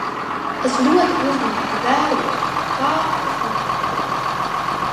Es ļoti uzmanīgi vēroju, kā tas notika.